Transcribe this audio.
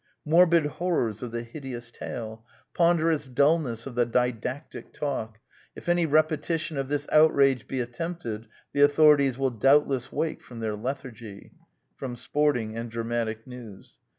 '' Morbid horrors of the hideous tale. .•. Ponderous dulness of the didactic talk. ••. If any repetition of this outrage be attempted, the authorities will doubtless wake from their leth argy." Sporting and Dramatic News.